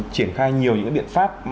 triển khai nhiều những cái biện pháp